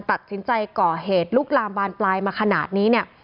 ตัดสินใจก่อเหตุลุกลามบานปลายมาขนาดนี้เนี่ย